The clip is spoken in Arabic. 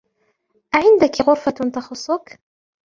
أعندك غرفة تخصك ؟